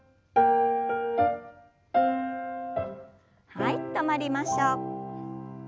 はい止まりましょう。